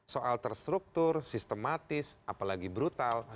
soal terstruktur sistematis apalagi brutal